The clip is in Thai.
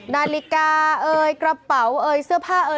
นาฬิกาเอ่ยกระเป๋าเอ่ยเสื้อผ้าเอ่ย